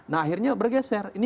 nah akhirnya bergeser